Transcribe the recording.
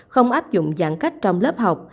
không áp dụng giãn cách trong lớp học